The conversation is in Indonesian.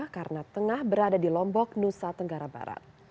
karena tengah berada di lombok nusa tenggara barat